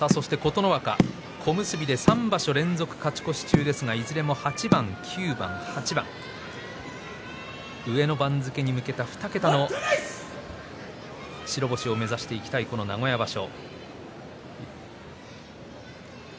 琴ノ若、小結で３場所連続勝ち越し中ですがいずれも８番９番１０番上の番付に向けて２桁の白星を目指したいこの名古屋場所。